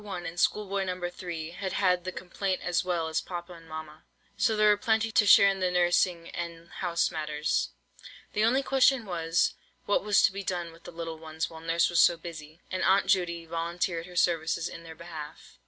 1, and Schoolboy No. 3, had had the complaint as well as papa and mamma, so there were plenty to share in the nursing and house matters. The only question was, what was to be done with the little ones while Nurse was so busy; and Aunt Judy volunteered her services in their behalf.